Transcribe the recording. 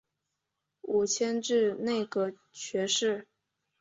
五迁至内阁学士。